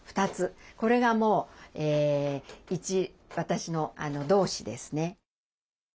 これがもう一私の同志ですね。